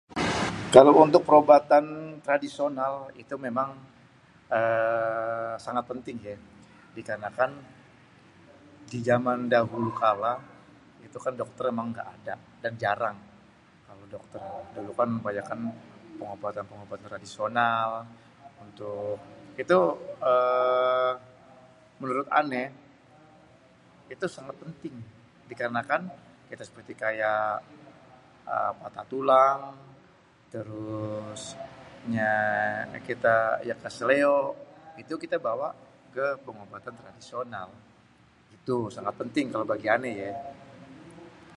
Kalo untuk perobatan tradisional itu memang eee sangat penting ya dikarnakan di jaman dahulu kala, itu kan dokter kan emang nggak ada dan jarang kalo dokter. Dulu kan kebanyakan pengobatan-pengobatan tradisional untuk itu eee menurut ané, itu sangat penting. Dikarnakan kita seperti kayak eee patah tulang, terus ya kita ya keseleo, itu kita bawa ke pengobatan tradisional. Itu sangat penting kalo bagi ané yé.